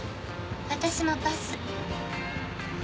私もパス。